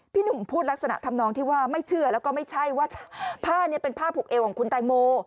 หนุ่มพูดลักษณะทำนองที่ว่าไม่เชื่อแล้วก็ไม่ใช่ว่าผ้านี้เป็นผ้าผูกเอวของคุณแตงโม